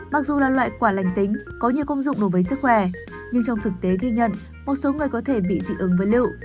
mặc dù là loại quả lành tính có nhiều công dụng đối với sức khỏe nhưng trong thực tế ghi nhận một số người có thể bị dị ứng với lưu